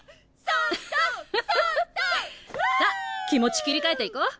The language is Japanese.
さっ気持ち切り替えていこ！